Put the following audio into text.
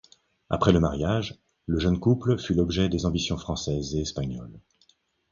Après le mariage, le jeune couple fut l'objet des ambitions françaises et espagnoles.